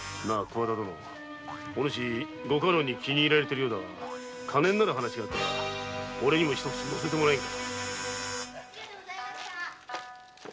お主ご家老に気に入られているようだが金になる話があったらおれにも一口のせてもらえんか？